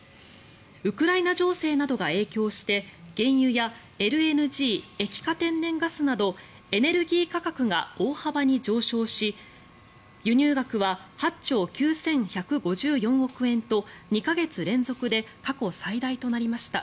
ウクライナ情勢などが影響して原油やＬＮＧ・液化天然ガスなどエネルギー価格が大幅に上昇し輸入額は８兆９１５４億円と２か月連続で過去最大となりました。